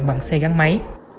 bằng xe gắn máy